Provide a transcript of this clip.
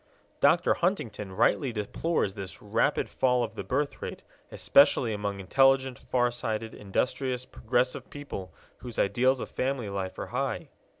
Dr. Huntington rightly deplores this "rapid fall of the birthrate, especially among intelligent, far sighted, industrious, progressive people whose ideals of family life are high."